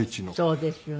そうですよね。